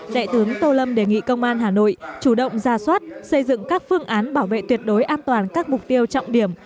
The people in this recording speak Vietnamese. đại tướng tô lâm đề nghị công an hà nội chủ động ra soát xây dựng các phương án bảo vệ tuyệt đối an toàn các mục tiêu trọng điểm